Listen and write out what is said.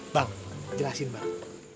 bang jelasin bang